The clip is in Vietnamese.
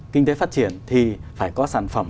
kinh tế phát triển thì phải có sản phẩm